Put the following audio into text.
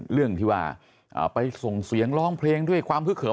เรื่องที่ว่าไปส่งเสียงร้องเพลงด้วยความฮึกเหิม